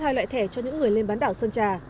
hai loại thẻ cho những người lên bán đảo sơn trà